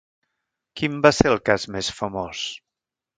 Quin va ser el cas més famós?